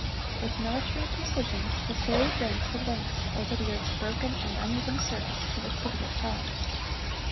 With military precision, the serried ranks advance over the earth's broken and uneven surface to the city of God.